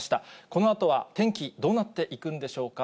このあとは天気、どうなっていくんでしょうか。